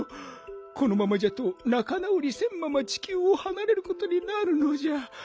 このままじゃとなかなおりせんままちきゅうをはなれることになるのじゃ。